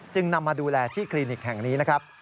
นำมาดูแลที่คลินิกแห่งนี้นะครับ